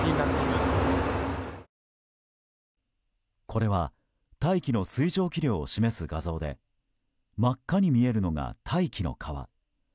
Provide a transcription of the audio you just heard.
これは大気の水蒸気量を示す画像で真っ赤に見えるのが大気の川。